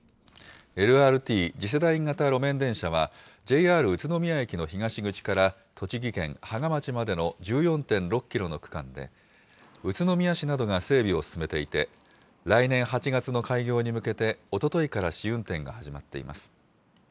ＬＲＴ・次世代型路面電車は、ＪＲ宇都宮駅の東口から、栃木県芳賀町までの１４．６キロの区間で、宇都宮市などが整備を進めていて、来年８月の開業に向けて、おとといから試運転が始まっています。